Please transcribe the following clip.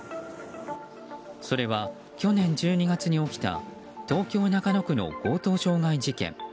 それは去年１２月に起きた東京・中野区の強盗傷害事件。